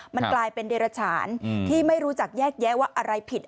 มันกลายเป็นเดรฉานที่ไม่รู้จักแยกแยะว่าอะไรผิด